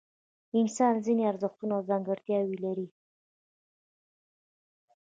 انسان ځینې ارزښتونه او ځانګړتیاوې لري.